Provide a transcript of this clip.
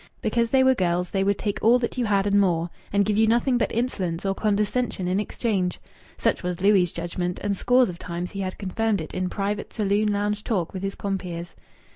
Because they were girls they would take all that you had and more, and give you nothing but insolence or condescension in exchange. Such was Louis' judgment, and scores of times he had confirmed it in private saloon lounge talk with his compeers.